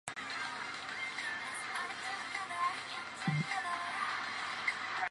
澳门酒店由澳门特别行政区政府旅游局负责评级。